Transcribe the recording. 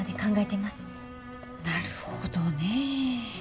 なるほどね。